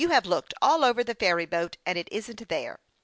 You have looked all over the ferry boat, and it isn't there.